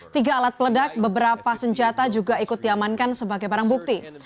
tiga alat peledak beberapa senjata juga ikut diamankan sebagai barang bukti